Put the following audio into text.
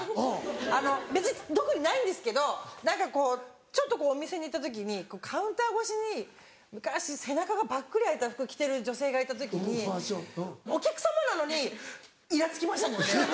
あの別に特にないんですけど何かこうちょっとお店に行った時にカウンター越しに昔背中がぱっくりあいた服着てる女性がいた時にお客様なのにイラつきましたもんね。